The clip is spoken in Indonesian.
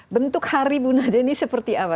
bentuk hari bu nadia ini seperti apa